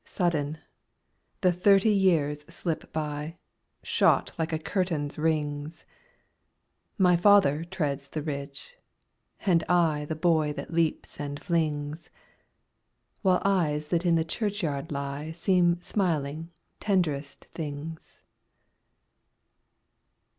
Sudden, the thirty years slip by, Shot like a curtain's rings ! My father treads the ridge, and I The boy that leaps and flings, While eyes that in the churchyard lie Seem smiling tenderest things.